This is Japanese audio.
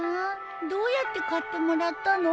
どうやって買ってもらったの？